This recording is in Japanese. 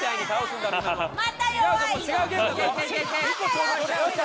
また弱いよ！